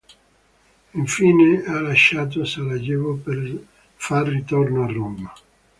Infine ha lasciato Sarajevo per far ritorno a Roma.